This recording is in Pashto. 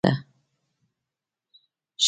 ښه ډله ده.